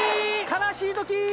悲しいときー。